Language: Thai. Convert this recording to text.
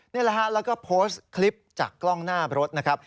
นี่แหละฮะแล้วก็โพสต์คลิปจากกล้องหน้ารถนะครับ